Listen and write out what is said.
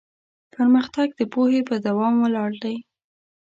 پرمختګ د پوهې په دوام ولاړ دی.